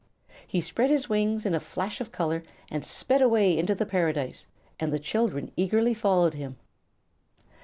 He spread his wings in a flash of color and sped away into the Paradise, and the children eagerly followed him.